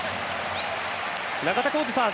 中田浩二さん